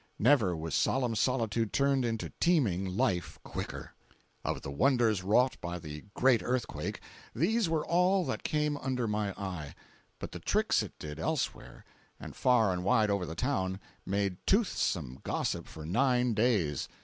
Never was solemn solitude turned into teeming life quicker. 423a.jpg (38K) Of the wonders wrought by "the great earthquake," these were all that came under my eye; but the tricks it did, elsewhere, and far and wide over the town, made toothsome gossip for nine days.